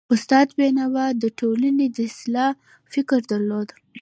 استاد بینوا د ټولني د اصلاح فکر درلود.